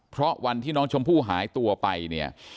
เพราะวันที่น้องชมพู่หายตัวไปเนี่ย